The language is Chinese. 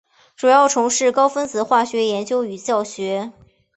主要从事高分子化学研究与教学。